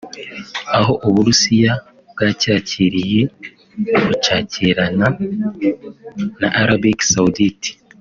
aho u Burusiya bwacyakiriye bucakirana na Arabie Saoudite